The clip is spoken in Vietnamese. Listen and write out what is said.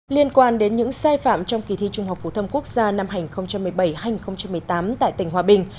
liên quan đến những sai phạm trong kỳ thi trung học phổ thông quốc gia năm hai nghìn một mươi bảy hai nghìn một mươi tám tại tỉnh hòa bình